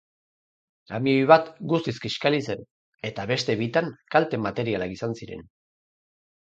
Kamioi bat guztiz kiskali zen, eta beste bitan kalte materialak izan ziren.